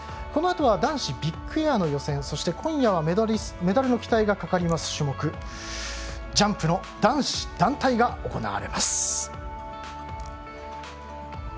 このあとは男子ビッグエアの予選そして今夜はメダルの期待がかかる種目ジャンプの男子団体が行われます。